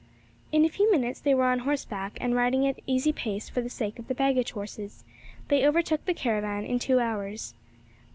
In a few minutes they were on horseback, and, riding at easy pace for the sake of the baggage horses, they overtook the caravan in two hours.